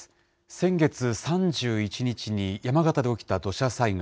先月３１日に山形で起きた土砂災害。